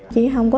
chị không có gã